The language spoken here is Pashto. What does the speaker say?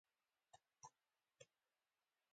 د برېټانیا پخوانیو مستعمرو ترمنځ اقتصادي توپیر پراخ دی.